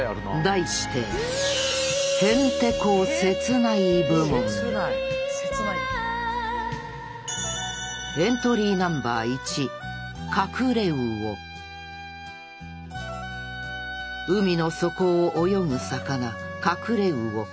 題して海の底を泳ぐ魚カクレウオ。